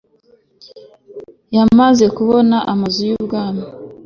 yamaze kubona Amazu y Ubwami